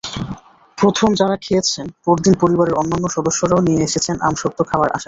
প্রথম যারা খেয়েছেন পরদিন পরিবারের অন্যান্য সদস্যদেরও নিয়ে এসেছেন আমসত্ত্ব খাওয়ার আশায়।